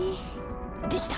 できた！